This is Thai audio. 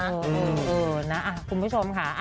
เออนะคุณผู้ชมค่ะ